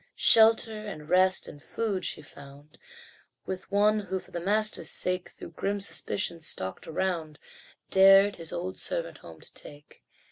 Shelter, and rest, and food she found With one who, for the master's sake, Though grim suspicion stalked around, Dared his old servant home to take.